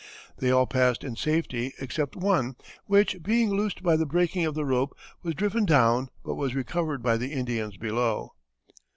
They all passed in safety except one, which, being loosed by the breaking of the rope, was driven down, but was recovered by the Indians below.